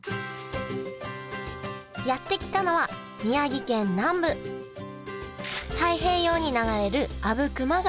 やって来たのは宮城県南部太平洋に流れる阿武隈川